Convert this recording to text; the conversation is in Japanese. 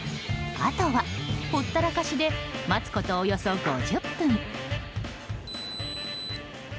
あとは、ほったらかしで待つことおよそ５０分。